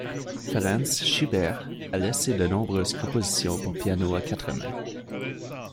Franz Schubert a laissé de nombreuses compositions pour piano à quatre mains.